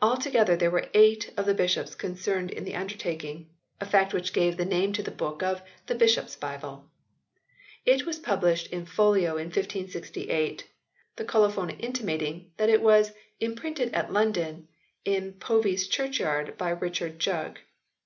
Altogether there were eight of the bishops concerned in the undertaking, a fact which gave the name to the book of "The Bishops Bible." It was published in folio in 1568, the colophon in timating that it was "Imprinted at London in povvles Churchyarde by Richard Jugge."